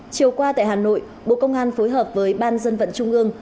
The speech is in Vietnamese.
chiều qua tại hà nội bộ công an phối hợp với ban dân vận trung ương